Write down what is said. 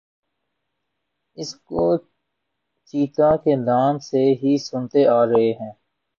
اس کو چیتا کے نام سے ہی سنتے آرہے ہیں